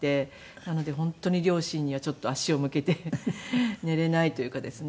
なので本当に両親にはちょっと足を向けて寝られないというかですね。